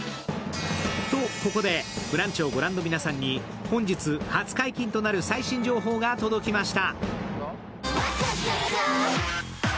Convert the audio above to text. とここで「ブランチ」をご覧の皆さんに本日初解禁となる最新情報が届きました。